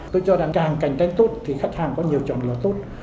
tôi cho rằng càng cạnh tranh tốt thì khách hàng có nhiều chọn lò tốt